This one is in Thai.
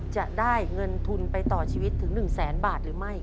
จะได้เงินทุนไปต่อชีวิตถึง๑แสนบาทหรือไม่